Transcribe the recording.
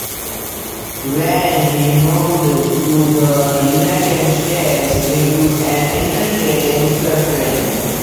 When he moved to the United States, he took an interest in surfing.